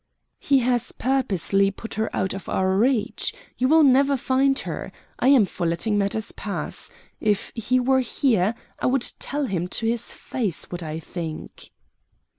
"He has purposely put her out of our reach. You will never find her. I am for letting matters pass. If he were here I would tell him to his face what I think."